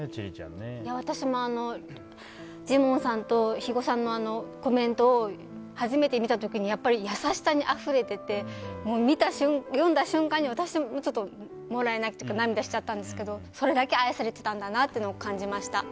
私もジモンさんと肥後さんのコメントを初めて見た時に優しさにあふれてて読んだ瞬間に私ももらい泣きというか涙しちゃったんですけどそれだけ愛されていたんだなというのを感じました。